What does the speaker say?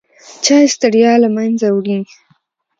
چای ستړیا له منځه وړي.